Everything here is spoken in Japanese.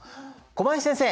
小林先生